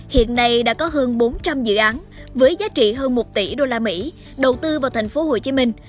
hiện nay đã có hơn bốn trăm linh dự án với giá trị hơn một tỷ usd đầu tư vào thành phố hồ chí minh